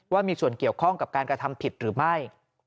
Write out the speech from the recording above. ว่ามีส่วนเกี่ยวข้องกับการกระทำผิดหรือไม่